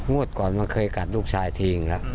มวดก่อนเคยกัดลูกชายทีอีกแล้ว